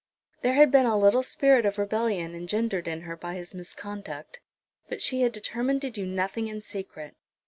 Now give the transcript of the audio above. There had been a little spirit of rebellion engendered in her by his misconduct; but she had determined to do nothing in secret.